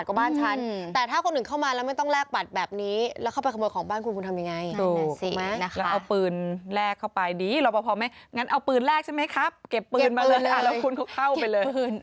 คุณอาจจะไม่พอใจว่าทำไมฉันต้องแลกบัตรส่วนบ้านฉัน